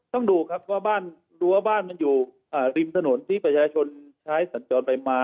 ต้องดูครับดูว่าบ้านมันอยู่ริมถนนที่ประชาชนใช้สัญญาณไปมา